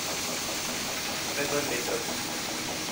Très bonne méthode